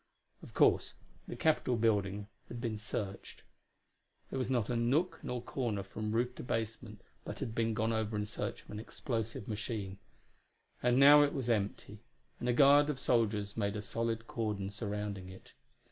Of course the Capitol Building had been searched; there was not a nook nor corner from roof to basement but had been gone over in search of an explosive machine. And now it was empty, and a guard of soldiers made a solid cordon surrounding it.